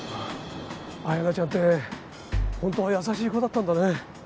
あやなちゃんって本当は優しい子だったんだね。